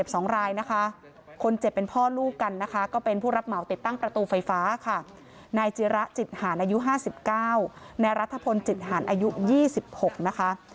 บัตรเจ็บ๒รายนะคะ